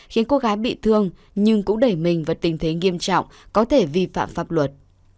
khiến cô gái bị thương nhưng cũng đẩy mình vào tình thế nghiêm trọng có thể vi phạm pháp luật